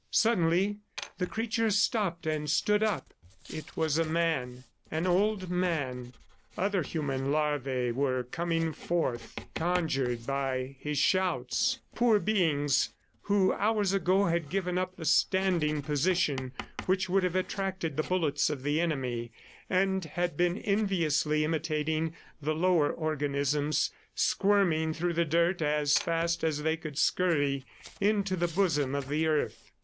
Suddenly the creature stopped and stood up. It was a man, an old man. Other human larvae were coming forth conjured by his shouts poor beings who hours ago had given up the standing position which would have attracted the bullets of the enemy, and had been enviously imitating the lower organisms, squirming through the dirt as fast as they could scurry into the bosom of the earth.